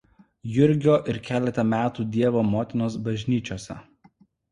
Jurgio ir keletą metų Dievo Motinos bažnyčiose.